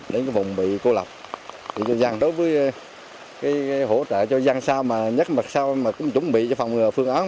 đến vùng bị cô lập đối với hỗ trợ cho dân sao mà nhắc mặt sao mà cũng chuẩn bị cho phòng phương án